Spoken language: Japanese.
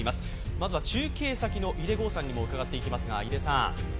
まずは中継先の井手剛さんにも伺っていきます。